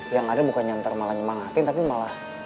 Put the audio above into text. yang ada bukannya ntar malah nyemangatin tapi malah